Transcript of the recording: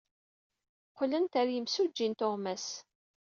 Qqlent ɣer yimsujji n tuɣmas.